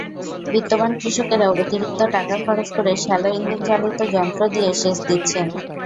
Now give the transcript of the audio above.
বিত্তবান কৃষকেরা অতিরিক্ত টাকা খরচ করে শ্যালো ইঞ্জিনচালিত যন্ত্র দিয়ে সেচ দিচ্ছেন।